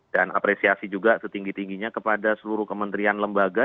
apresiasi juga setinggi tingginya kepada seluruh kementerian lembaga